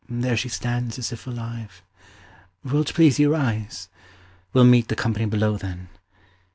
There she stands As if alive. Will't please you rise? We'll meet The company below, then.